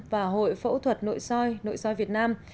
và hội phẫu thuật nội soi việt nam